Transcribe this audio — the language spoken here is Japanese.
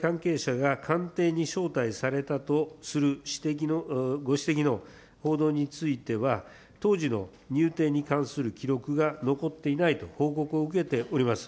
まず旧統一教会関係者が官邸に招待されたとする指摘の、ご指摘の報道については、当時の入廷に関する記録が残っていないと報告を受けております。